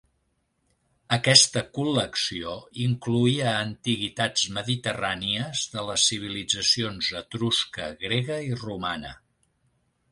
Aquesta col·lecció incloïa antiguitats mediterrànies de les civilitzacions etrusca, grega i romana.